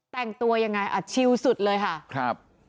แต่งตัวยังไงชิลสุดเลยค่ะ